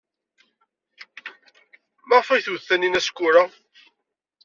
Maɣef ay twet Taninna Skura?